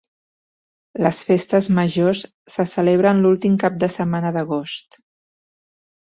Les Festes Majors se celebren l'últim cap de setmana d'agost.